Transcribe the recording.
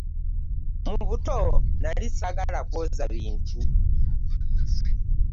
Mu buto nali sagala kwoza bintu.